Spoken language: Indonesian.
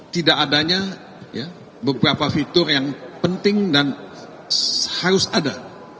tidak adanya beberapa fitur yang penting dan harus ada